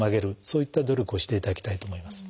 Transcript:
そういった努力をしていただきたいと思います。